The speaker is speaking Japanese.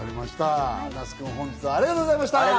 那須君、本日はありがとうございました。